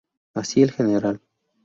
Así el Gral.